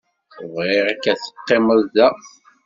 Bɣiɣ-k ad teqqimed da.